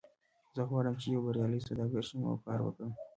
زه غواړم چې یو بریالی سوداګر شم او کار وکړم